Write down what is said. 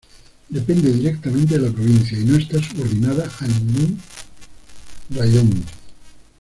Depende directamente de la provincia y no está subordinada a ningún raión.